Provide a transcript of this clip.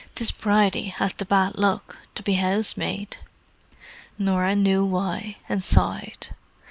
'Tis Bridie has the bad luck, to be housemaid." Norah knew why, and sighed.